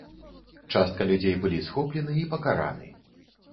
Частка людзей былі схоплены і пакараны.